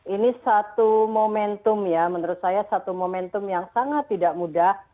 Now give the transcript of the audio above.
ini satu momentum ya menurut saya satu momentum yang sangat tidak mudah